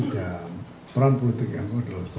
dan peran politik yang